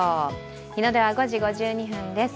日の出は５時５２分です。